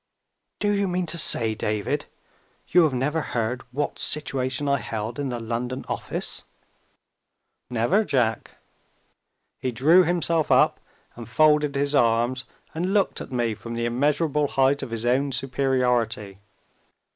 "Do you mean to say, David, you have never heard what situation I held in the London office?" "Never, Jack!" He drew himself up and folded his arms, and looked at me from the immeasurable height of his own superiority.